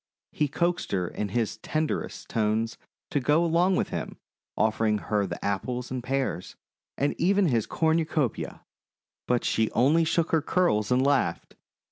He coaxed her in his tenderest tones to go along with him, offering her the Apples and Pears, and even his cornucopia, but she only shook her curls and laughed.